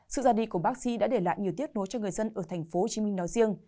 sự ra đi của bác sĩ đã để lại nhiều tiếc nối cho người dân ở thành phố hồ chí minh nói riêng